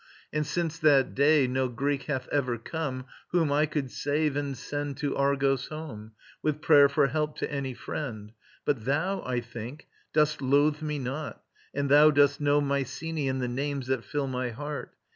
And since that day no Greek hath ever come Whom I could save and send to Argos home With prayer for help to any friend: but thou, I think, dost loathe me not; and thou dost know Mycenae and the names that fill my heart.